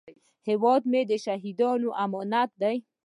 هیواد مې د شهیدانو امانت دی